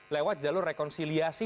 lewat jalur rekonsiliasi